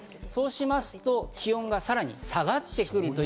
そうしますと気温がさらに下がってくる。